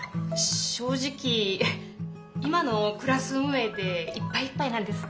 正直今のクラス運営でいっぱいいっぱいなんです。